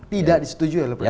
tidak disetujui oleh presiden